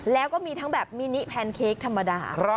แล้วก็มีทั้งแบบมินิแพนเค้กธรรมดา